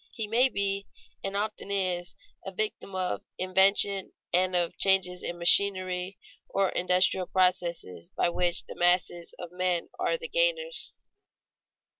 He may be, and often is, a victim of invention and of changes in machinery or industrial processes, by which the masses of men are the gainers.